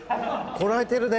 こらえてるね。